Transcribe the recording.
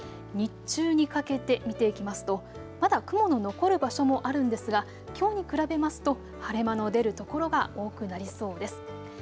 日中にかけて見ていきますとまた雲の残る場所もあるんですが、きょうに比べますと晴れ間の出る所が多くなりそうです。